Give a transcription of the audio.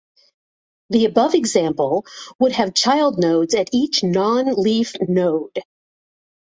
The above example would have child nodes at each non-leaf node.